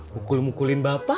mukul mukulin bapak